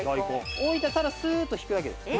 置いてただスーッと引くだけです。